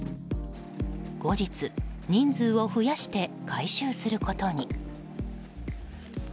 後日、人数を増やして回収することに。